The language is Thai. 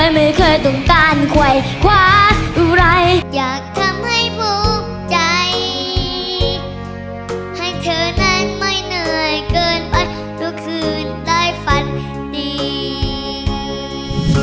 อยากทำให้ภูมิใจให้เธอนั้นไม่เหนื่อยเกินไปทุกคืนได้ฝันดี